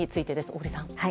小栗さん。